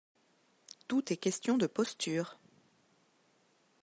Tout est question de posture.